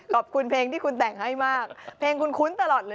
เพลงที่คุณแต่งให้มากเพลงคุณคุ้นตลอดเลย